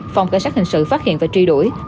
phòng cảnh sát hình sự phát hiện và truy đuổi